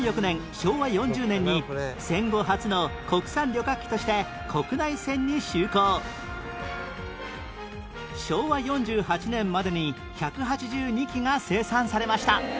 昭和４０年に戦後初の国産旅客機として昭和４８年までに１８２機が生産されました